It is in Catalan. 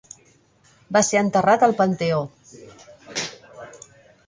Va ser enterrat al Panteó.